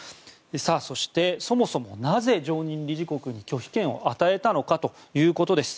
そして、そもそもなぜ常任理事国に拒否権を与えたのかということです。